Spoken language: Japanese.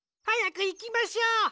はやくいきましょう。